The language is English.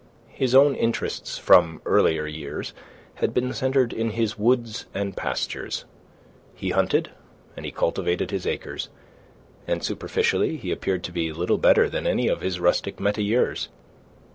His own interests from earliest years had been centred in his woods and pastures. He hunted, and he cultivated his acres, and superficially he appeared to be little better than any of his rustic metayers.